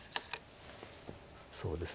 そうですね